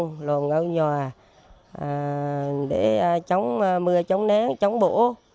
mẹ con ngôi nhò để chống mưa chống nén chống bổ